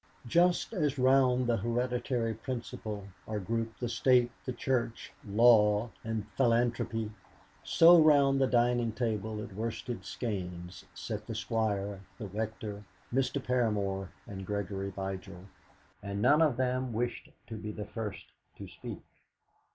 Just as round the hereditary principle are grouped the State, the Church, Law, and Philanthropy, so round the dining table at Worsted Skeynes sat the Squire, the Rector, Mr. Paramor, and Gregory Vigil, and none of them wished to be the first to speak.